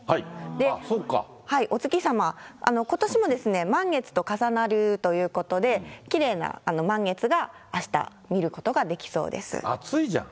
お月様、ことしも満月と重なるということで、きれいな満月が、暑いじゃん。